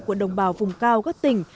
của đồng bào vùng cao các tỉnh